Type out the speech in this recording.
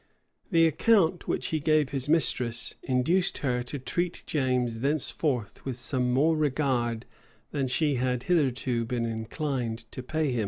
[] The account which he gave his mistress induced her to treat James thenceforth with some more regard than she had hitherto been inclined to pay him.